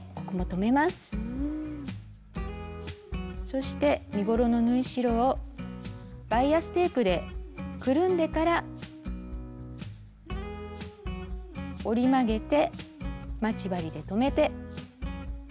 そして身ごろの縫い代をバイアステープでくるんでから折り曲げて待ち針で留めて。